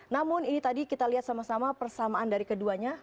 namun ini tadi kita lihat sama sama persamaan dari keduanya